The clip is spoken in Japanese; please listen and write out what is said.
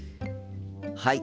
はい。